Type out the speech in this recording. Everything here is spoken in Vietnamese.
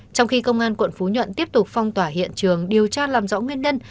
trong khi công an quận phú nhuận tiếp tục phong tỏa hiện trường điều tra làm rõ nguyên nhân